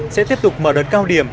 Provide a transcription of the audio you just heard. sẽ tiếp tục mở đợt cao điểm